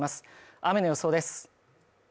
雨の予想です。